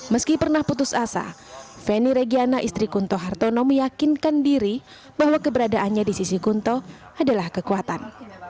meski pernah putus asa feni regiana istri kunto hartono meyakinkan diri bahwa keberadaannya di sisi kunto adalah kekuatan